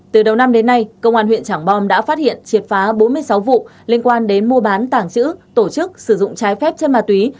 từ đầu năm đến nay công an huyện trảng bom đã phát hiện triệt phá bốn mươi sáu vụ liên quan đến mua bán tàng trữ tổ chức sử dụng trái phép chân ma túy